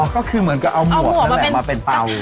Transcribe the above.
ก็คือเหมือนกับเอาหมวกนั่นแหละมาเป็นเตา